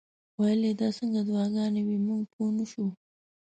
ویل یې دا څنګه دعاګانې وې موږ پوه نه شو.